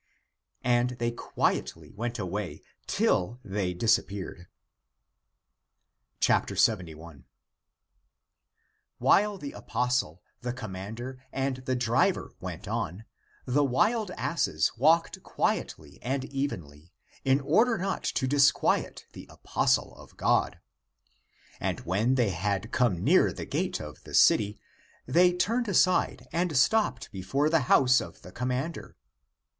And they quietly went away, till they disappeared. 71. While the apostle, the commander, and the driver went on, the wild asses walked quietly and evenly, in order not to disquiet the apostle of God. And when they had come near the gate of the city, they turned aside and stopped before the house of the commander.